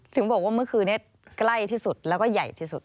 ถึงบอกว่าเมื่อคืนนี้ใกล้ที่สุดแล้วก็ใหญ่ที่สุด